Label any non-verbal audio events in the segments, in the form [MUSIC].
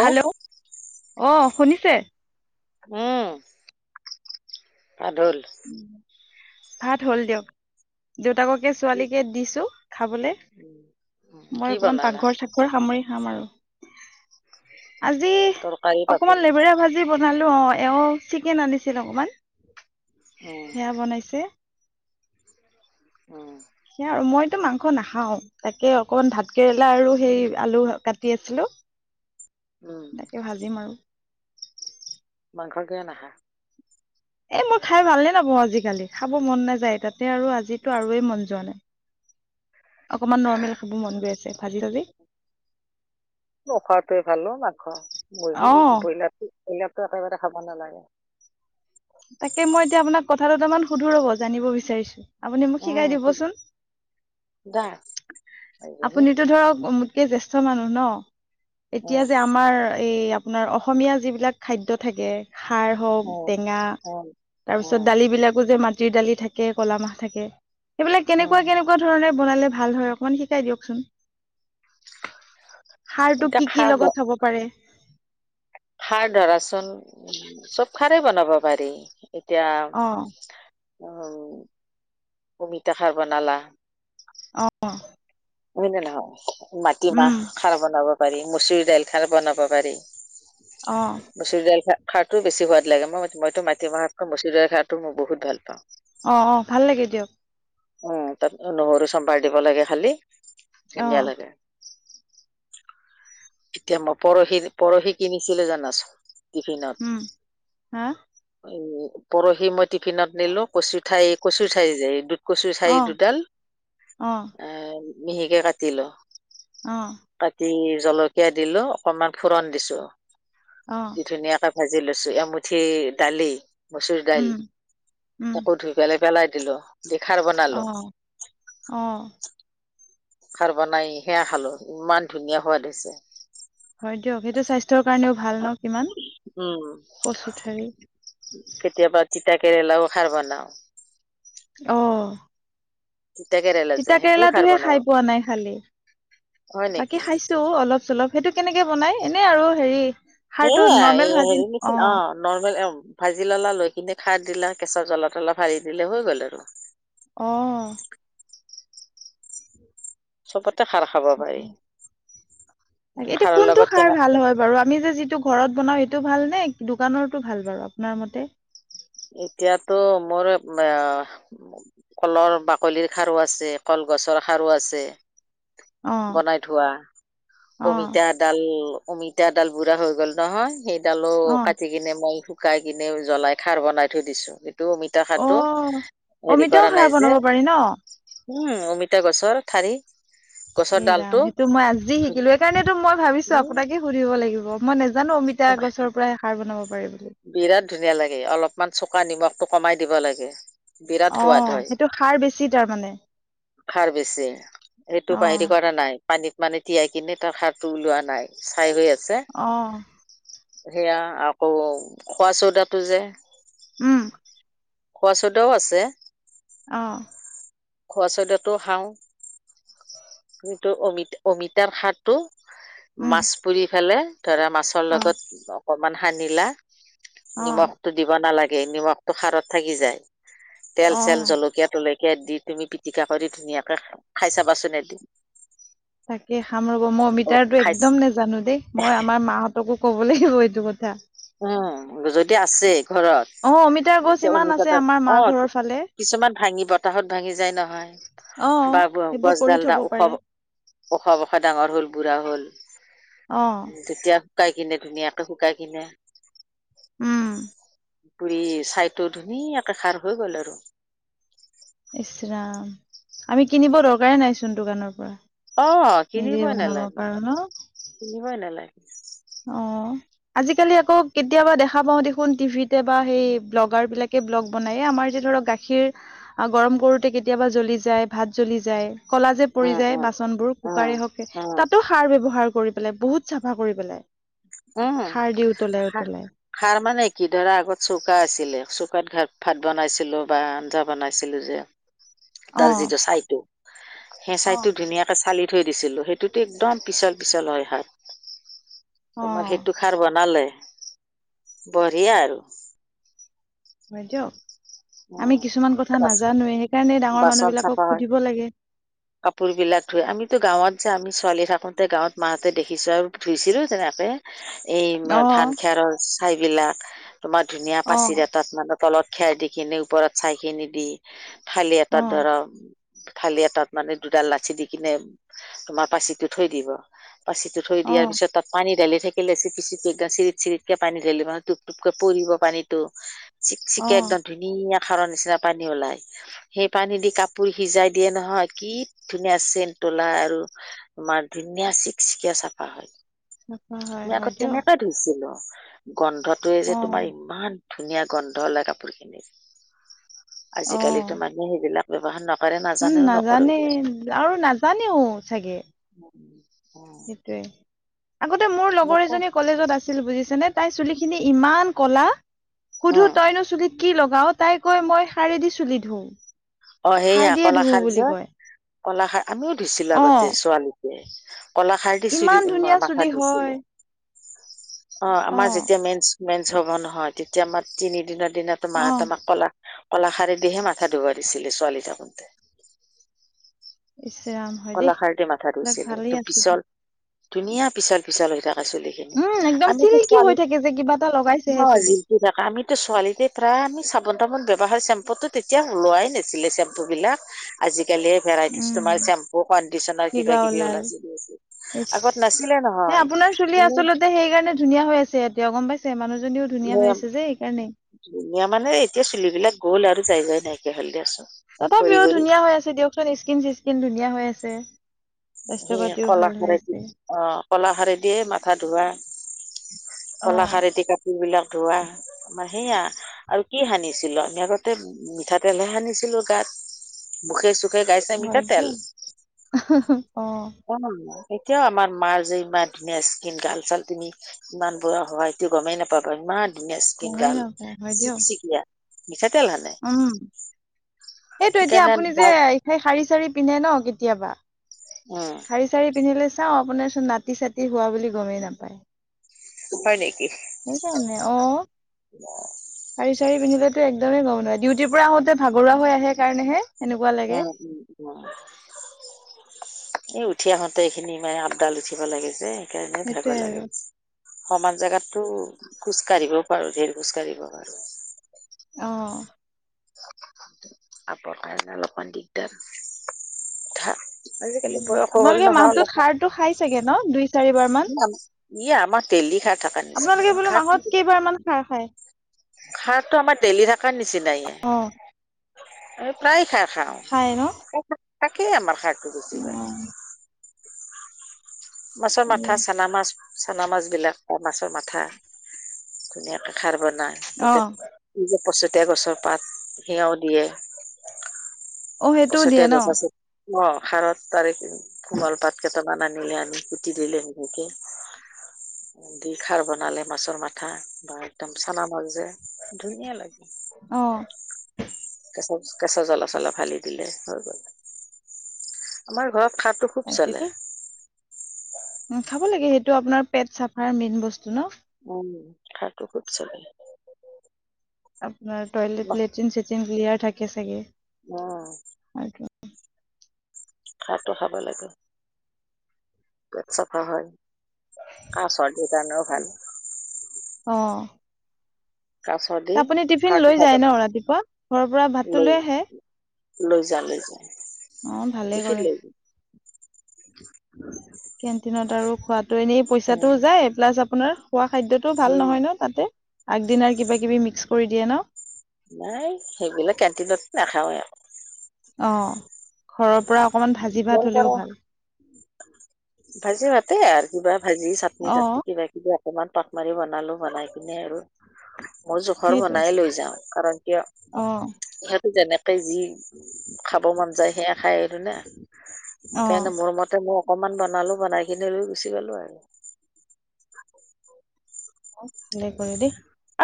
Hello অ শুনিছে- উম পাদোল ভাত হ'ল দিয়ক দেউতাককে ছোৱালীকে দিছো- খাবলে উম কি মই অকমান বনালা পাকঘৰ চাঘৰ সামৰি- খাম আৰু আজি তৰকাৰী অকমান পাচলি লেবেৰা ভাজি বনালো অহ এওঁ চিকেন আনিছিল অকমান উম সেয়া বনাইছে। উম সেইয়া আৰু মইতো মাংস নাখাওঁ তাকে অকমান ভাত কেৰেলা আৰু সেই আলু কাটি আছিলো। উম তাকে ভাজিম আৰু- মাংস কিয় নাখা। এ মই খাই ভাল নে নাপাওঁ আজিকালি খাব মন নাযায় তাতে আৰু আজি আৰুয়েই মন যোৱা নাই। অকনমান নৰ্মেল খাব মন গৈ আছে ভাজি চাজি নোখোৱাটোৱে ভাল মাংস মুৰ্গী অ ব্ৰইলাৰটো ব্ৰইলাৰতো একেবাৰে খাব নালাগে। তাকে মই এতিয়া আপোনাক কথাদুটামান সুধেৰ হ'ব জানিব বিচাৰিছো- আপুনি মোক শিকাই উম দিবচোন দা এইজনী আপুনিতটো ধৰক কে জেষ্ঠ মানুহ ন এতিয়া উম যে আমাৰ এই আপোনাৰ অসমীয়া যিবিলাক খাদ্য থাকে খাৰ হওঁক উম টেঙা উম তাৰপিছত উম দালি বিলাকো যে মাটিৰ দালি থাকে কলা মাহ থাকে সেইবিলাক উম কেনেকুৱা কেনেকুৱা ধৰণে বনালে ভাল হয় অকমান শিকাই দিয়কচোন- খাৰটো এতিয়া কি কি খাৰ ব লগত হব পাৰে খাৰ ধৰাচোন চব খাৰেই বনাব পাৰি এতিয়া অ অমিতা খাৰ বনালা অহ হয় নে নহয় মাটিমাহ খাৰ বনাব পাৰি মচুৰ দাইল খাৰ বনাব পাৰি অ মচুৰ দাল খাৰ খাৰটোও বেছি সোৱাদ লাগে মই মইতো মাটিমাহতকৈ মচো দালিৰ খাৰটো মই বহুত ভাল পাওঁ অহ অহ‌ ভাল লাগে দিয়ক উম তাত নহৰু চম্ভাৰ দিব লাগে খালি অ ধুনীয়া লাগে এতিয়া মই পৰহি পৰহি কিনিছিলো জানাচোন উম হা টিফিনত এই পৰহি মই টিফিনত নিলো কচু ঠাৰি কচু ঠাৰি যে এইটো কচু অ থাৰি দুডাল অ এ মিহিকে কাটিলো অ কাটি জলকীয়া দিলো অকনমান ফুৰণ দিছো অ ধুনীয়াকে ভাজি লৈছো এমুঠি দালি মচুৰ দাইল উম উম তাকো ধুই পেলাই পেলাই দিলো দে খাৰ অ বনালো অ খাৰ বনাই সেয়া খালো ইমান ধুনীয়া সোৱাদ হৈছে হয় দিয়ক সেইটো স্বাস্থ্যৰ কাৰণেও ভাল ন কিমান উম কচু ঠাৰি কেতিয়াবা তিতাঁ কেৰেলাও খাৰ বনাও অহ তিতা কেৰেলা যে তিতা সেইটোও খাৰ কেৰেলাটোহে বনাও খাই পোৱা নাই খালি হয় নেকি বাকী খাইছো অলপ চলপ সেইটো কেনেকে বনাই এনেই আৰু হেৰি সাৰটো এয়া নৰ্মেল ভাজি হেৰি মেচিন অ নৰ্মেল ভাজি ললা, লৈ কিনে খাৰ দিলা, কেঁচৰ জলা- তলা অলপ ভাৰি দিলে হৈ গ'ল আৰু। অ'হ চবতে খাৰ খাব পাৰি। এতিয়া খাৰৰ কোনটো লগত খাৰ টেঙা ভাল হয় বাৰু, আমি যে যিটো ঘৰত বনাও সেইটো ভাল নে? দোকানৰটো ভাল বাৰু আপোনাৰ মতে তো মোৰ এ কলৰ বাকলিৰ খাৰো আছে, কলগছৰ খাৰো আছে। অ বনাই থোৱা অ অমিতা ডাল অমিতা ডাল বুঢ়া হৈ গ'ল নহয় সেইডালো অ কাটি কিনে মই, শুকাই কিনে জ্বলাই খাৰ বনাই থৈ দিছো। অমিতা অ খাৰটো হেৰি অমিতাও কৰা সাৰ নাই যে বনাব পাৰি ন উম অমি তা গছৰ থাৰি এ ৰাম সেইটো মই আজি ধু- শিকিলো এই কাৰণেতো মই ভাবিছো উম, আপোনাকে সুধিব লাগিব মই নে জানো অমিতা গছৰ পৰাই খাৰ বনাব পাৰে বুলি। খোৱা নিমখটো কমাই দিব লাগে। বিৰাট অ, সোৱাদ হয় সেইটো খাৰ বেছি তাৰমানে। খাৰ বেছি, এইটো অ বাহিৰি কৰা নাই। পানীত মানে তিয়াই কিনে তাৰ খাৰ টো ওলোৱা নাই, চাই হৈ আছে। অ সেইয়া আকৌ খোৱা চউদাটো যে উম খোৱা চউদাও আছে অহ খোৱা চউদাটো খাও কিন্তু অমিতা-অমিতাৰ খাৰটো উম মাছ পুৰি ফেলে, ধৰা মাছৰ অ লগত অকমান সানিলা অ নিমখতো দিব নালাগে, নিমখতটো খাৰত থাকি যায়। অ তেল-চেল জলকীয়া তলকীয়া দি তুমি পিটিকা কৰি, ধুনীয়াকে খাই চাবাচোন এদিন তাকে খাম ৰব, মই অ, অমিতাৰ টো খাই একদম নেজানো দেই, মই আমাৰ মাহঁতকো ক'ব লাগিব এইটো কথা। উম, যদি আছে ঘৰত অ অমিতাৰ গছ যেতিয়া ইমান অমিতা আছে ডাল আমাৰ মা অ, ঘৰৰ ফালে কিছুমান ভাঙি, বতাহত ভাঙি যায় নহয়। অ বা সেইবোৰ কৰি গছডাল থব ডাল পাৰে ওখ-ওখ-ওখ ডাঙৰ হ'ল, বুঢ়া হ'ল। অ তেতিয়া শুকাই কিনে, ধুনীয়াকে শুকাই কিনে উম পুৰি চাইটো ধুনীয়াকে খাৰ হৈ গ'ল আৰু। ইচ ৰাম আমি কিনিব দৰকাৰে নাইচোন দোকানৰ পৰা। অ, নিজে কিনিবই বনাব নালাগিব, পাৰো ন কিনিবই নালাগে। অ আজিকালি আকৌ কেতিয়াবা দেখা পাওঁ, দেখোন টিভিতে বা সেই ব্লগাৰ বিলাকে, ব্লগ বনাই, এই আমাৰ যে ধৰক, গাখীৰ গৰম কৰোতে কেতিয়াবা জ্বলি যায়, ভাত জ্বলি যায়। ক'লা যে পৰি উম, যায় উম, বাচনবোৰ, উম, কুকাৰে হওক উম, তাতো খাৰ ব্যৱহাৰ কৰি পেলাই, বহুত চ উম, খা-খাৰ মানে কি ধৰা আগতৱ্য চৌকা আছিলে, চৌকাত ঘ ভাত বনাইছিলো বা আঞ্জা বনাইছিলো যে অ তাৰ যিটো ছাইটো, সেই অ ছাইটো ধুনীয়াকে চালি থৈ দিছিলো, সেইটোতে একদম পিছল- পিছল হয় হাত। তোমাৰ সেইটো খাৰ বনালে, বঢ়িয়া আৰু বাইদউ উম, আমি কিছুমান কথা বাচ নাজানোৱে, সেইকাৰণে ডাঙৰ মানুহ বাচন চাফা বিলাকক হয়। সুধিব লাগে। কাপোৰ বিলাক ধুই আমি কিন্তু গাঁৱত যে আমি ছোৱালী থাকোতে গাঁৱত মাহঁতে দেখিছো আৰু ধুইছিলো তেনেকে এই অ ধান খেৰৰ ছাইবিলাক তোমাৰ ধুনীয়া অ পাচি এটাত মানে তলত খেৰ দি খিনি ওপৰত চাই খিনি দি থালি অ এটাত ধৰ থালি এটাত মানে দুডাল লাচি দি কিনে তোমাৰ পাচিটো থৈ দিব পাচিটো থৈ অ দিয়াৰ পিছত তাত পানী দালি থাকিলে চিপি চিপি একদম চিৰিত চিৰিতকে পানী দিলে মানে টোপ টোপকে পৰিব পানীতটো শিক অ চিকে একদম ধুনীয়া সাৰৰ নিচিনা পানী ওলাই সেই পানী দি কাপোৰ সিজাই দিয়ে নহয় কি ধুনীয়া চেন ওলায় আৰু তোমাৰ ধুনীয়া চিকচিকীয়া চাফা হয় চাফা হয় আমি আকৌ হয় দিয়ক তেনেকুৱা ধুইছিলো গন্ধটোয়ে যে অ তোমাৰ ইমান ধুনীয়া গন্ধ ওলায় কাপোৰ খিনি অ আজিকালিতো মানুহে সেইবিলাক ব্যৱহাৰ ন উম নাজানে আৰু নাজানেও চাগে সেইটোয়ে আগতে মোৰ লগৰ নকয় এজনী কলেজত আছি ছিল বুজিছে নে তাই চুলি খিনি ইমান কলা অ সুধো তইনো চুলিত কি লগাও তাই কৈ মই শাৰে দি চুলি ধোও অ সেইয়া কলাখাৰ যে কলা খাৰ আমিও ধুইছিলো অ আগতে ছোৱালীটে কলাখাৰ দি চৰি ইমান ধুনীয়া মাথা চুলি ধইছিলো হয় অ আমাৰ যেতিয়া মেইন ম হব নহয় তেতিয়া আমাৰ তিনিদিনৰ দিনা অ মাই তোমাক কলা কলাশাৰি দিহে মাথা ধুব দিছিলে ছোৱালী থাকোঁতে ইচৰাম হয় দেই কলাখাৰদি মাথা এইবিলাক ধৰুইছিলো ভালেই আছিল পিছল ধুনীয়া পিছল পিছল হৈ থাক পাচলি খিনি উম একদম আমি তো চিল্কি ছোৱালী হৈ থাকে যে কিবা এটা লগাইছেহে ন চুলিত জিমটি ডেকা আমি ছোৱালীতে প্ৰায় আমি চাবোন চাবোন ব ব্যৱহাৰ চেম্পুতো তেতিয়া ওলোৱাই নাছিলে চেম্পু বিলাক আজিকি গলে ভেৰাইটিজ তোমাৰ উম চেম কডিচনাৰ কিবা কিবি ওলাই আগত ইচ নাছিলে নহয় সেই কাৰণে ধুনীয়া হৈছে আছে এতিয়া গম পাইছে মানুহজনীও ধুনীয়া হৈ আছে যে সেইকাৰণে ধুনীয়া মানে এতিয়া চুলিবিলাক গ'ল আৰু যাই যাই নাইকিয়া হ'ল দিয়াচোন তাত সৰি বিয় সৰি ধুনীয়া হৈ আছে দিয়কচোন স্কিন চি্কিন ধুনীয়া হৈ আছে। স্বাস্থ্য পাতিও ভাল হৈ কলাশাৰদি আছে অ কলাশাৰদি দিয়ে মাথা ধোৱা অ কলাখাৰ এটি কাপোৰ বিলাক ধোৱা আমাৰ সেয়া আৰু কি সানিছিলো আমি আগতে মিঠাতেলহে সানিছিলো গাত মুখে চুখে গাইছাই হয়তো মিঠাতেল অ অ এতিয়াও আমাৰ মাৰ যে ইমান ধুনীয়া স্কম গাল চাল তুমি ইমান বুঢা হোৱাইটো গমেই নাপাবা ইমান ধুনীয়া ইচকন গমেই গাল নাপায় হয় দিয়ক চিক চিক মিঠাতেল হানে উম সেইটো এতিয়া আপুনি যে খ শাৰী চাৰী পিন্ধে ন কেতিয়াবা? উম শাৰী চাৰী পিন্ধিলে চাও আপোনাৰ চোন নাতি চাতি হোৱা বুলি গমেই নাপায়। হয় নেকি? সেইকাৰণে অ সাৰি চাৰি পিন্ধিলে? একদমেই গ'ম নাপায় ডিউটিৰ পৰা আহোতে ভাগৰুৱা হৈ আহে কাৰণেহে এনেকুৱা লাগে উম উম উম। এই উঠি আহোতে এইখিনি মানে আপডাল উঠিব লাগে যে সেইকাৰণে ভাব সেইটোয়ে লাগে। আৰু সমান জোগাততো খোজ কাঢ়িবও পাৰো ধেৰ খোজ কাঢ়িব পাৰো। আহ আপৰ কাৰণে অলপমান দিগদাৰ ওঠা আপোনালোকে মাহটোত সাৰটো খাই চাগে ন দুই চাৰিবাৰ মান ই আমাৰ দেলি খাৰ থকাৰ আপোনালোকে নিচিনা আমাৰ বোলো খাৰ মাহত কেইবাৰ মান খাৰ খায় খাৰটো আমাৰ দেলি থকাৰ নিচিনাই অ এ প্ৰায় খাই খাই ন খাওঁ ত তাকেই আমাৰ সাৰটো বেছি হয়। অ মাছৰ মাথা চানা মাছ চানা মাছ বিলাক মাছৰ মাথা ধুনীয়াকে। খাৰ বনাই অ তাতে পচতীয়া গছৰ পাত সেয়াও দিয়ে। অ সেইটোও দিয়ে পছতীয়া ন। গছ আছে অ সাৰত তাৰে কোমল পাত কেইটামান আনিলে আনি কুটি দিলে সেনেকে দি খাৰ বনালে মাছৰ মাথা বা একদম চানা মাছ যে ধুনীয়া লাগে। অ কেচ কেঁচৰ জলপ চলপ ফালি দিলে হৈ গল আমাৰ ঘৰত খাৰটো খুব চলে। তাকেইতো খাব লাগে সেইটো আপোনাৰ পেট চাফাৰ মেইন বস্তু ন। উম সাৰটো খুব চলে। আপোনাৰ টয়লেট লেট্ৰিন চেট্ৰিন ক্লিয়াৰ থাকে চাগে। অহ আৰু। সাৰটো খাব লাগে পেট চাফা হয়। কাহ চৰ্দি কাৰণেও ভাল। অ কাহ চৰ্দি তা আপুনি টিফিন লৈ যায় ন ৰাতিপুৱা ঘৰৰ পৰা ভাতটো লৈ আহে লৈ যায়, লৈ যায়। অ ভালেই কৰে। উ কেণ্টিনত আৰু খোৱাতো এনেই পইছাটো উম যায় প্লাছ আপোনাৰ খোৱা খাদ্যটো ভাল উম নহয় ন তাতে আগদিনাৰ কিবা কিবি মিক্স কৰি দিয়ে ন। নাই সেইবিলাক কেণ্টিনত নাখাওৱে। অ ঘৰৰ পৰা অকমান ভাজি বৰ ভাত পাৰ হলেও ভাল। ভাজি ভাতে আৰু কিবা ভাজি চাটনি অ টাটনি কিবা কিবি আৰ ইমান টমাৰি বনালোঁ বনাই কিনে আৰু। মোৰ জোখৰ সেইটো বনাই লৈ যাওঁ কাৰণ কিয় অ সে যেনেকে যি খাব মন যায় সেয়া খাই আৰু না। অ সেইকাৰণে মোৰ মতে মো অকমান বনালো বনাই কিনে লৈ গুচি গলো আৰু। অ ভালে কৰে দেই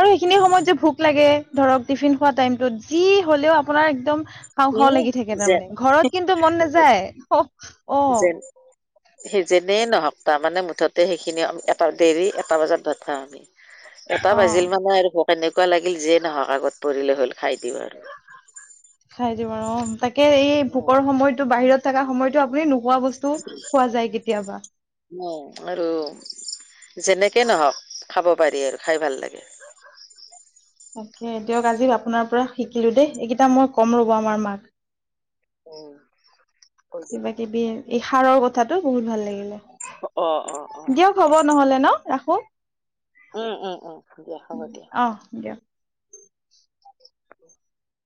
আৰু। খিনি সময়ত যে ভোক লাগে ধৰক টিফিন খোৱা টাইমটোত যি হ'লেও আপোনাৰ একদম। খাওঁ এ খাওঁ লাগি থাকে যে তাৰমানে ঘৰত কিন্তু মন নাযায় অ। যেন সি যিনেই নহক তাৰমানে মুঠতে সেইখিনি এটা দেৰি এটা বজাত ভাত খাওঁ আমি। এটা বাজিল অ মানে আৰু ভোক তেনেকুৱা লাগিল যিয়ে নহওক আগত পৰিলে হ'ল খাই দিওঁ আৰু। খাই দিম আৰু অ তাকে এই উম ভোকৰ সময়তো বাহিৰত থকা সময়তো আপুনি নো খোৱা বস্তু খোৱা যায় কেতিয়াবা। উম আৰু। যেনেকে নহওক খাব পাৰি আৰু খাই ভাল লাগে। তাকে দিয়ক আজি আপোনাৰ পৰা শিকিলো দেই এইগেটা মই কম ৰ'ব আমাৰ মাক। উম কিবা কিবি এই সাৰৰ কথাটো বহুত ভাল অ অ অ লাগিলে। দিয়ক হ'ব নহ'লে ন ৰাখোঁ। উম উম উম দিয়া হ'ব দিয়া। অহ দিয়ক। [UNINTELLIGIBLE]